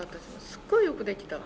すっごいよくできた。